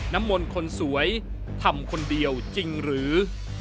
น้ำมนต์คนสวยทำคนเดียวจริงหรือ